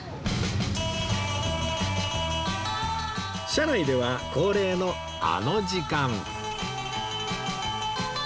車内では恒例のあの時間